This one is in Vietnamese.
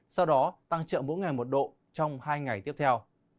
sau đó tăng chậm mỗi ngày một độ trong hai ngày tiếp theo